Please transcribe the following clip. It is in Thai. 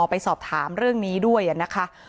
ไปสอบถามเรื่องนี้ด้วยนะคะ